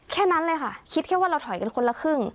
แค่นั้นเลยค่ะคิดแค่ว่าเราถอยกันคนละครึ่ง